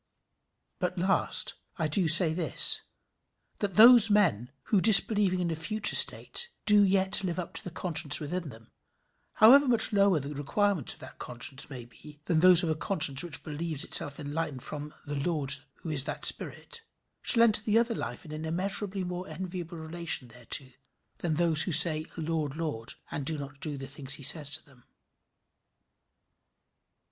But last, I do say this, that those men, who, disbelieving in a future state, do yet live up to the conscience within them, however much lower the requirements of that conscience may be than those of a conscience which believes itself enlightened from "the Lord, who is that spirit," shall enter the other life in an immeasurably more enviable relation thereto than those who say Lord, Lord, and do not the things he says to them.